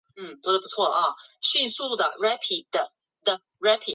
颜伯玮人。